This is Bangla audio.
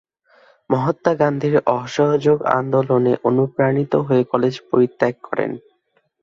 মহাত্মা গান্ধীর অসহযোগ আন্দোলনে অনুপ্রাণিত হয়ে কলেজ পরিত্যাগ করেন।